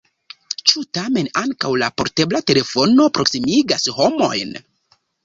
Ĉu tamen ankaŭ la portebla telefono proksimigas homojn?